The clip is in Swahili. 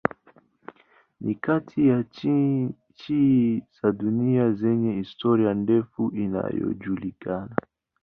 Ni kati ya nchi za dunia zenye historia ndefu inayojulikana.